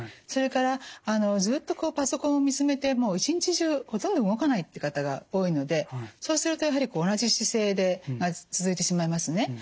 それからずっとパソコンを見つめてもう一日中ほとんど動かないって方が多いのでそうするとやはり同じ姿勢で続いてしまいますね。